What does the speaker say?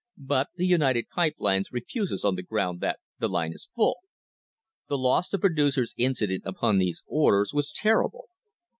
But the United Pipe Lines refuses on the ground that the line is full. The loss to producers incident upon these orders was terrible.